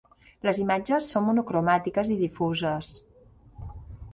Les imatges són monocromàtiques i difuses.